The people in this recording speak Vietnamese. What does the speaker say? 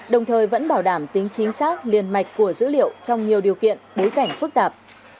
đồng thời vẫn bảo đảm tính chính xác liên mạch của dữ liệu trong nhiều điều kiện bối cảnh phức tạp